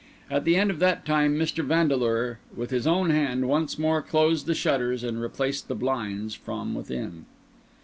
At the end of that time Mr. Vandeleur, with his own hand, once more closed the shutters and replaced the blinds from within.